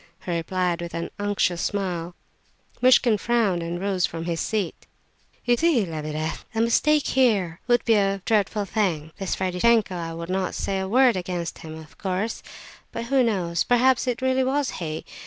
he replied, with an unctuous smile. Muishkin frowned, and rose from his seat. "You see, Lebedeff, a mistake here would be a dreadful thing. This Ferdishenko, I would not say a word against him, of course; but, who knows? Perhaps it really was he?